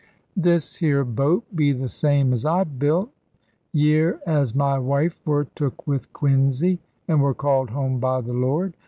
"This here boat be the same as I built, year as my wife were took with quinzy, and were called home by the Lord.